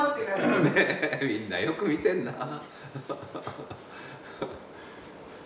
みんなよく見てんなぁ。